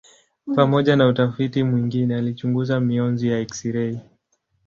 Pamoja na utafiti mwingine alichunguza mionzi ya eksirei.